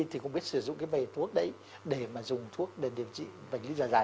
không biết sử dụng cái bài thuốc đấy để mà dùng thuốc để điều trị bệnh lý dài dài